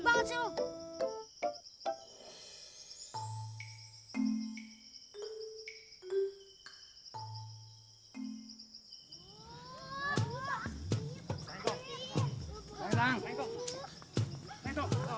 berisik banget sih lu